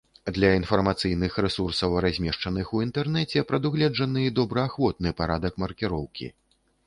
Для інфармацыйных рэсурсаў, размешчаных у інтэрнэце, прадугледжаны добраахвотны парадак маркіроўкі.